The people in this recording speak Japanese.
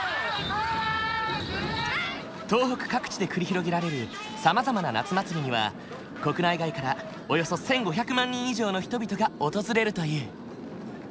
東北各地で繰り広げられるさまざまな夏祭りには国内外からおよそ１，５００万人以上の人々が訪れるという。